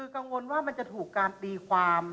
กังวลว่ามันจะถูกการตีความ